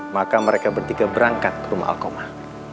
maka mereka bertiga berangkat ke rumah alkomah